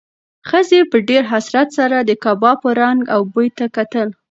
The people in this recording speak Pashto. ښځې په ډېر حسرت سره د کبابو رنګ او بوی ته کتل.